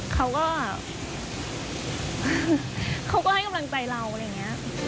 เขาก็เขาก็ให้กำลังใจเราอะไรอย่างนี้